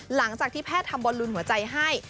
หลังจากที่แพทย์ทำบอลลูนหัวใจให้